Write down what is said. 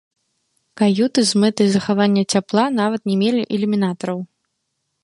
Каюты з мэтай захавання цяпла нават не мелі ілюмінатараў.